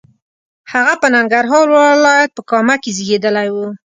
هغه په ننګرهار ولایت په کامه کې زیږېدلی و.